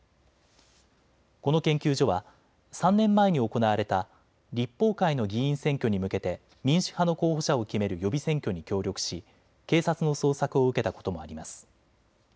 この研究所は３年前に行われた立法会の議員選挙に向けて民主派の候補者を決める予備選挙に協力し警察の捜索を受けたこともあります。